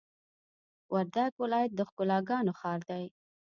وردګ ولایت د ښکلاګانو ښار دی!